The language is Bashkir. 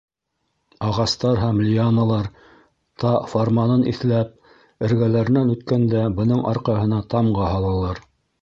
Ағастар һәм лианалар, Тһа фарманын иҫләп, эргәләренән үткәндә, бының арҡаһына тамға һалалар.